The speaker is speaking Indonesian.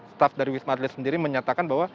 staf dari wisma athlete sendiri menyatakan bahwa